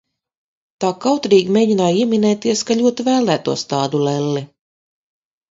Tā kautrīgi mēģināju ieminēties, ka ļoti vēlētos tādu lelli.